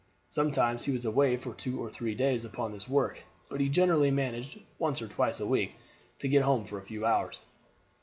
Sometimes he was away for two or three days upon this work; but he generally managed once or twice a week to get home for a few hours.